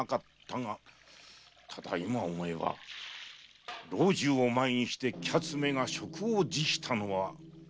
ただ今思えば老中を前にして彼奴めが職を辞したのは。